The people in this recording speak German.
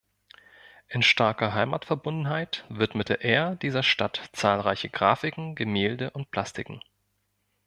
In starker Heimatverbundenheit widmete er dieser Stadt zahlreiche Grafiken, Gemälde und Plastiken.